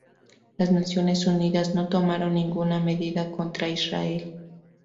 Las Naciones Unidas no tomaron ninguna medida contra Israel.